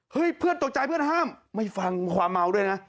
เพื่อนตกใจเพื่อนห้ามไม่ฟังความเมาด้วยนะ